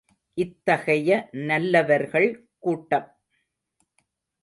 இத்தகைய நல்லவர்கள் கூட்டம்?